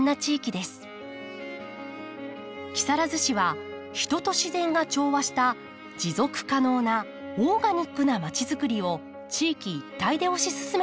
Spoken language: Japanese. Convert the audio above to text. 木更津市は人と自然が調和した持続可能な「オーガニックなまちづくり」を地域一体で推し進めています。